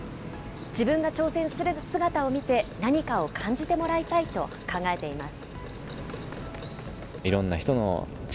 自分が挑戦する姿を見て、何かを感じてもらいたいと考えています。